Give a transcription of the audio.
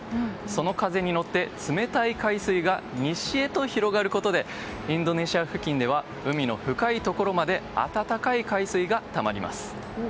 その風に乗って冷たい海水が西へと広がることでインドネシア付近では海の深いところまで暖かい海水がたまります。